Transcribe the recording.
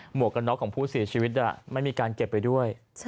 วกกันน็อกของผู้เสียชีวิตไม่มีการเก็บไปด้วย